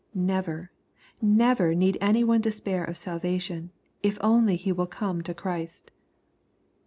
Never, never need any one despair of Sjxlvation, if he will only come to Christ.